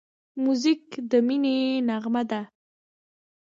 موزیک د مینې نغمه ده.